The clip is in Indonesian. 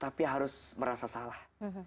tapi harus merasa salah